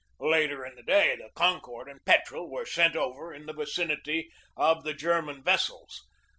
Later in the day the Concord and Petrel were sent over in the vicinity of the German vessels.